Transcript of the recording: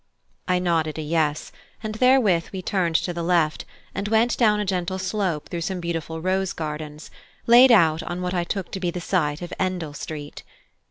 I nodded a yes; and therewith we turned to the left, and went down a gentle slope through some beautiful rose gardens, laid out on what I took to be the site of Endell Street.